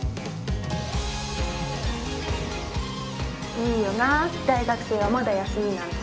いいよな大学生はまだ休みなんて。